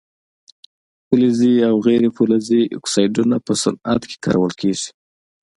فلزي او غیر فلزي اکسایدونه په صنعت کې کارول کیږي.